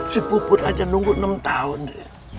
si puput aja nunggu enam tahun dia